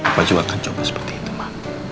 mama juga akan coba seperti itu ma